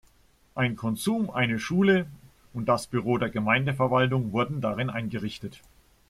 Ein Konsum, eine Schule und das Büro der Gemeindeverwaltung wurden darin eingerichtet.